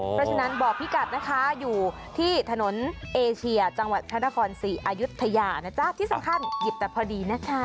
เพราะฉะนั้นบอกพี่กัดนะคะอยู่ที่ถนนเอเชียจังหวัดพระนครศรีอายุทยานะจ๊ะที่สำคัญหยิบแต่พอดีนะคะ